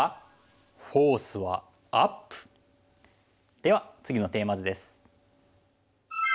では次のテーマ図です。